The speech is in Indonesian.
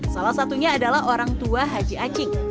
salah satunya adalah orang tua haji acik